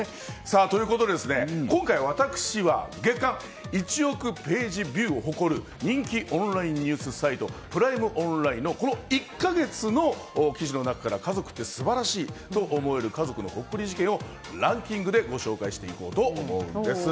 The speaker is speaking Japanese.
今回、私は月間１億ページビューを誇る人気オンラインニュースサイトプライムオンラインのこの１か月の記事の中から家族って素晴らしいと思える家族のほっこり事件をランキングでご紹介していこうと思うんです。